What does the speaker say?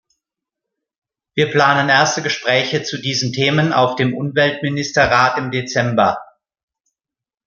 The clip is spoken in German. Wir planen erste Gespräche zu diesen Themen auf dem Umweltministerrat im Dezember.